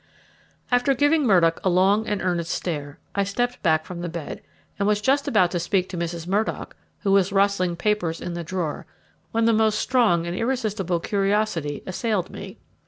After giving Murdock a long and earnest stare, I stepped back from the bed, and was just about to speak to Mrs. Murdock, who was rustling papers in the drawer, when the most strong and irresistible curiosity assailed me.